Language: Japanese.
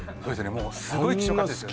もうすごい希少価値ですよね